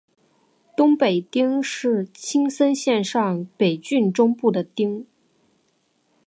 东北町是青森县上北郡中部的町。